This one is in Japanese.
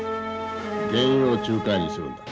原油を仲介にするんだ。